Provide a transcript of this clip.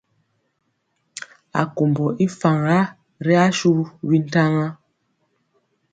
Akombɔ i faŋ ya ri ashu bintaŋa.